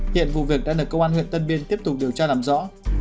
hiện vụ việc đã được công an huyện tân biên tiếp tục điều tra làm rõ